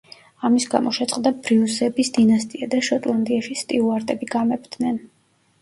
ამის გამო შეწყდა ბრიუსების დინასტია და შოტლანდიაში სტიუარტები გამეფდნენ.